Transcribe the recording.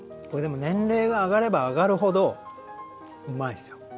これでも年齢が上がれば上がるほどうまいっすよ。